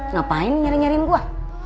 ngapain nyari nyariin gua